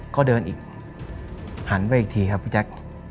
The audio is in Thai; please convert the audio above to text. ก็เดินอีกหันไปอีกทีครับพี่แจ๊ค